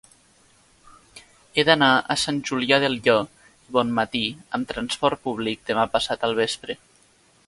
He d'anar a Sant Julià del Llor i Bonmatí amb trasport públic demà passat al vespre.